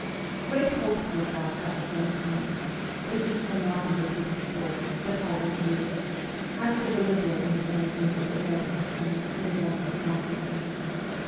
Great hopes were felt at the same time this is ' an often repeated story, but always new ' as to the liberal inclinations of the heir to the throne and his uncle Constantine.